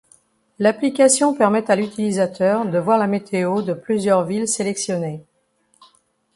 L'application permet à l'utilisateur de voir la météo de plusieurs villes sélectionnées.